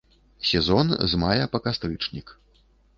Сезон з мая па кастрычнік.